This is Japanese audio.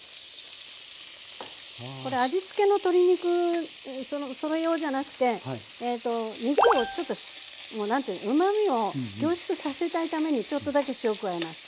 これ味付けの鶏肉それ用じゃなくてえっと肉をちょっと何ていうのうまみを凝縮させたいためにちょっとだけ塩加えます。